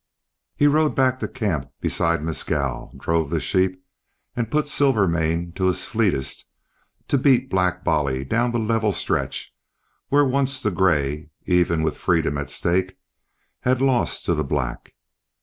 He rode back to camp beside Mescal, drove the sheep, and put Silvermane to his fleetest to beat Black Bolly down the level stretch where once the gray, even with freedom at stake, had lost to the black.